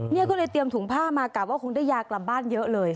นี่ก็เลยเตรียมถุงผ้ามากะว่าคงได้ยากลับบ้านเยอะเลย